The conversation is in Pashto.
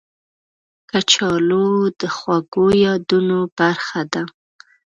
کچالو د خوږو یادونو برخه ده